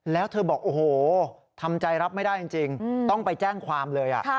แล้วเธอบอกโอ้โหทำใจรับไม่ได้จริงต้องไปแจ้งความเลย